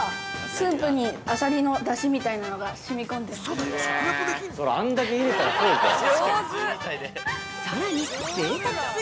スープにアサリのだしみたいなのがしみ込んでます。